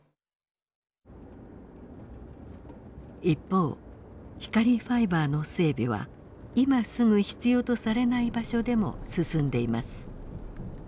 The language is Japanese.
一方光ファイバーの整備は今すぐ必要とされない場所でも進んでいます。